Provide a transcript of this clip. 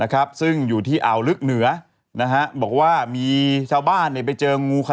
เก่งมากจริง